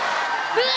うわ！